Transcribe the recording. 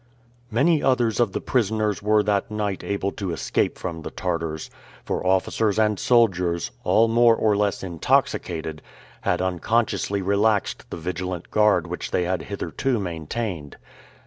Many others of the prisoners were that night able to escape from the Tartars, for officers and soldiers, all more or less intoxicated, had unconsciously relaxed the vigilant guard which they had hitherto maintained.